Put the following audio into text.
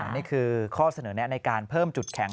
นี่คือข้อเสนอแนะในการเพิ่มจุดแข็ง